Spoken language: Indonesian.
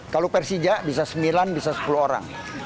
kalau persija bisa sembilan bisa sepuluh orang